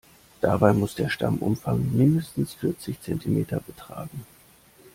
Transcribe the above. Dabei muss der Stammumfang mindestens vierzig Zentimeter betragen.